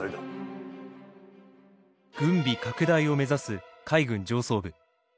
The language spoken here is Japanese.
軍備拡大を目指す海軍上層部。